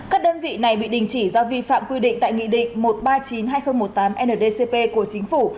các đơn vị này bị đình chỉ do vi phạm quy định tại nghị định một trăm ba mươi chín hai nghìn một mươi tám ndcp của chính phủ